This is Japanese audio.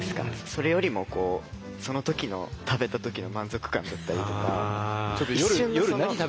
それよりもその時の食べた時の満足感だったりとか一瞬のその。